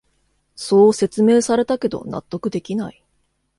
そう説明されたけど納得できない